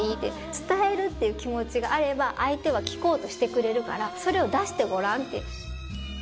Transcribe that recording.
「伝えるっていう気持ちがあれば相手は聞こうとしてくれるからそれを出してごらん」って。